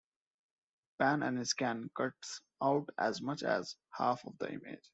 Pan and scan cuts out as much as half of the image.